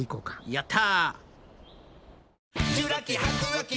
やった。